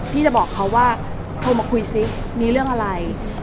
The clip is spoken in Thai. จะบอกเขาว่าโทรมาคุยซิมีเรื่องอะไร